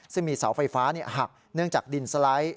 ซึ่งมีเสาไฟฟ้าหักเนื่องจากดินสไลด์